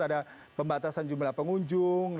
ada pembatasan jumlah pengunjung